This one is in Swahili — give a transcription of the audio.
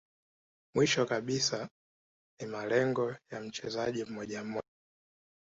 Mwisho kabisa ni malengo ya mchezaji mmoja mmoja